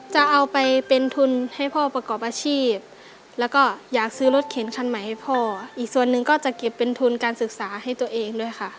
จะเอาไปเป็นทุนให้พ่อประกอบอาชีพแล้วก็อยากซื้อรถเข็นคันใหม่ให้พ่ออีกส่วนหนึ่งก็จะเก็บเป็นทุนการศึกษาให้ตัวเองด้วยค่ะ